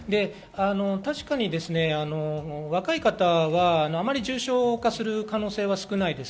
確かに若い方は、あまり重症化する可能性は少ないです。